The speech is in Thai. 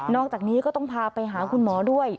จากนี้ก็ต้องพาไปหาคุณหมอด้วย